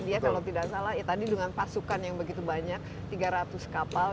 dia kalau tidak salah ya tadi dengan pasukan yang begitu banyak tiga ratus kapal